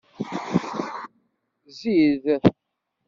Zzi-d!